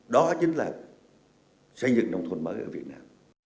đó chính là xây dựng nông thôn mới ở việt nam